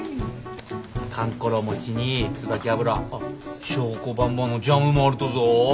かんころ餅に椿油あっ祥子ばんばのジャムもあるとぞぉ。